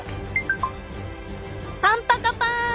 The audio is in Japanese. パンパカパーン！